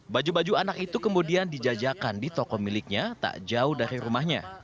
baju baju anak itu kemudian dijajakan di toko miliknya tak jauh dari rumahnya